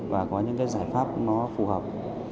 và có những cái giải pháp nó phù hợp